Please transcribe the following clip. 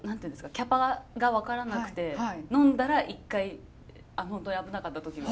キャパが分からなくて呑んだら一回本当に危なかった時が。